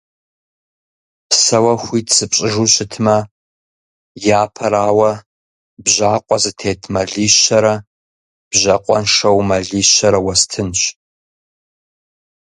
Сэ уэ хуит сыпщӀыжу щытмэ, япэрауэ, бжьакъуэ зытет мэлищэрэ бжьакъуэншэу мэлищэрэ уэстынщ.